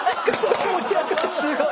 すごい！